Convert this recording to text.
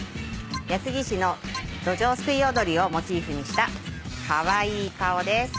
安来市のどじょうすくい踊りをモチーフにしたカワイイ顔です。